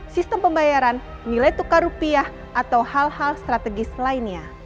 sistem pembayaran nilai tukar rupiah atau hal hal strategis lainnya